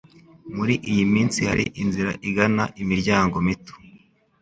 Muri iyi minsi hari inzira igana imiryango mito.